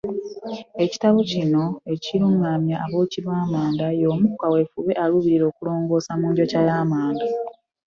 Ekitabo kino ekirungamya abookyi b’amanda y’omu ku kaweefube aluubirira okulongoosa mu njokya y’amanda.